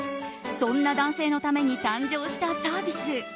そんな男性のために誕生したサービス。